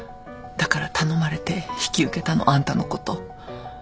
だから頼まれて引き受けたのあんたのこと。